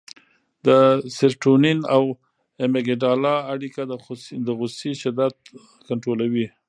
د سېرټونین او امګډالا اړیکه د غوسې شدت کنټرولوي.